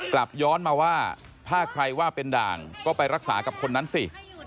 กลับย้อนมาว่าถ้าใครว่าเป็นด่างก็ไปรักษากับคนนั้นสิ